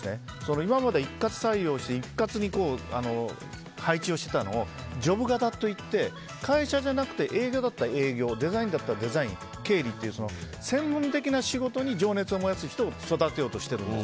今まで一括採用して一括に配置をしていたのをジョブ型といって会社じゃなくて営業だったら営業デザインだったらデザイン経理っていう専門的な仕事に情熱を燃やす人を育てようとしているんです。